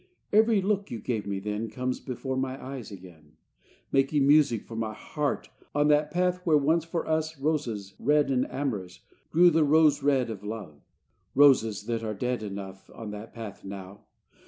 Every look you gave me then Comes before my eyes again, Making music for my heart On that path where once for us Roses, red and amorous, Grew, the roses red of love: Roses, that are dead enough On that path now!